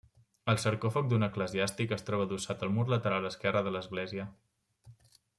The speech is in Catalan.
El sarcòfag d'un eclesiàstic es troba adossat al mur lateral esquerre de l'església.